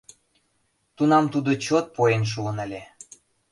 Тунам тудо чот поен шуын ыле.